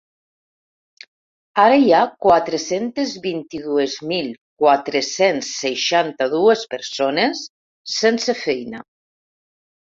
Ara hi ha quatre-centes vint-i-dues mil quatre-cents seixanta-dues persones sense feina.